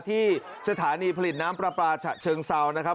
ที่สถานีผลิตน้ำปลาปลาฉะเชิงเซานะครับ